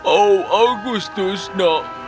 oh agustus tidak